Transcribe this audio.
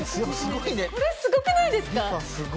これすごくないですか？